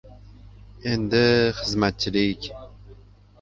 — Endi, xizmatchilik...